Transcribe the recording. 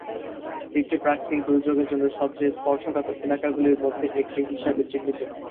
দ্বীপটি প্রাকৃতিক দুর্যোগের জন্য সবচেয়ে স্পর্শকাতর এলাকাগুলির মধ্যে একটি হিসাবে চিহ্নিত।